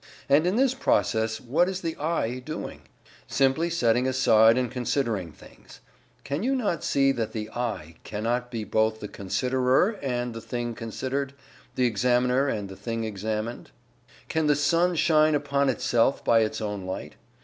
And in this process what is the "I" doing? Simply setting aside and considering things. Can you not see that the "I" cannot be both the considerer and the thing considered the examiner and the thing examined? Can the sun shine upon itself by its own light?